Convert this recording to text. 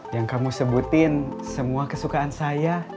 yang kamu sebutin semua kesukaan saya